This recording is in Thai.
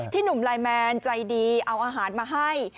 หนุ่มไลน์แมนใจดีเอาอาหารมาให้